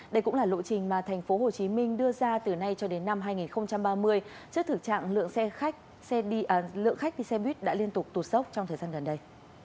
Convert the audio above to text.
đây cũng là lộ trình mà tp hcm đưa ra từ nay cho đến năm hai nghìn ba mươi trước thực trạng lượng xe khách lượng khách đi xe buýt đã liên tục tụt sốc trong thời gian gần đây